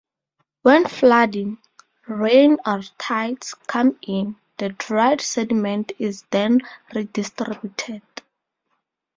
When flooding, rain or tides come in, the dried sediment is then re-distributed.